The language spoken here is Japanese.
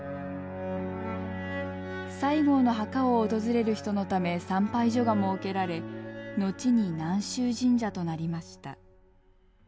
西郷の墓を訪れる人のため参拝所が設けられ後に南洲神社となりました。